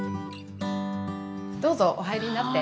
どうぞお入りになって。